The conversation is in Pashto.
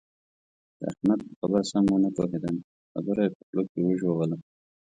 د احمد په خبره سم و نه پوهېدم؛ خبره يې په خوله کې وژوله.